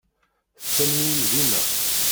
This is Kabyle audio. Tettamen-iyi dima.